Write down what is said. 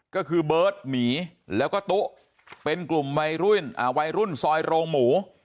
ก็คือเบิร์ตหมีแล้วก็ตุ๊เป็นกลุ่มวัยรุ่นวัยรุ่นซอยโรงหมู